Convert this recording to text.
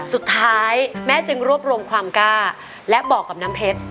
สุดท้ายแม่จึงรวบรวมความกล้าและบอกกับน้ำเพชร